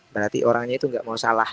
berarti orangnya itu nggak mau salah